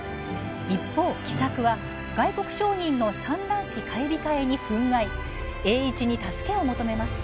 一方、喜作は外国商人の蚕卵紙買い控えに憤慨、栄一に助けを求めます。